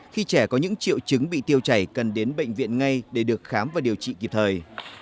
khi trẻ có những triệu chứng bị tiêu chảy cần đến bệnh viện ngay để được khám và điều trị kịp thời